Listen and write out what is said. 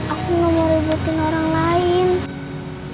aku gak mau rebutin orang lain